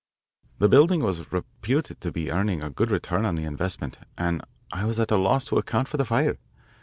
The building was reputed to be earning a good return on the investment, and I was at a loss to account for the fire.